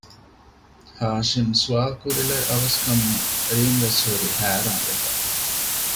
ހާޝިމް ސްވާލުކުރިލެއް އަވަސް ކަމުން ރީމްވެސް ހުރީ ހައިރާންވެފަ